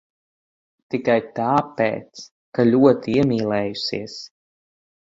Tikai tāpēc, ka ļoti iemīlējusies.